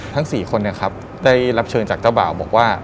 ทั้ง๔คนเนี่ยครับได้รับเชิญจากเจ้าบ่าวบอกว่า